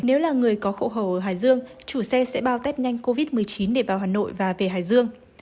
nếu là người có khẩu hồ ở hải dương chủ xe sẽ bao tết nhanh covid một mươi chín để vào hà nội và về hải dương